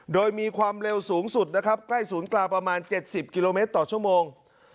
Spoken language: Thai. โดยมีความเร็วสูงสุดนะครับใกล้ศูนย์กลางประมาณ๗๐กิโลเมตรต่อชั่วโมง